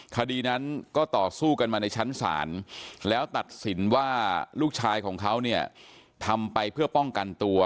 คดีนั้นก็ต่อสู้กันมาในชั้นศาลแล้วตัดสินว่าลูกชายของเขาเนี่ยทำไปเพื่อป้องกันตัว